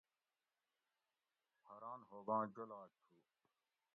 حاراں ھوگاں جولاگ تھو